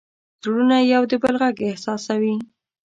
زړونه د یو بل غږ احساسوي.